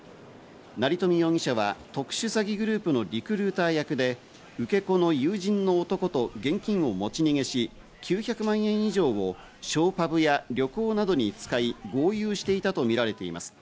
成富容疑者は特殊詐欺グループのリクルーター役で、受け子の友人の男と現金を持ち逃げし、９００万円以上をショーパブや旅行などに使い豪遊していたとみられています。